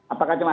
apakah cuma satu